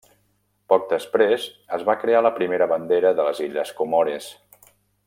Poc després es va crear la primera bandera de les illes Comores.